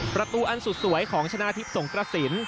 ประตูอันสุดสวยของชนะทิพย์สงกระสิน